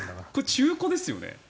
中古ですよ。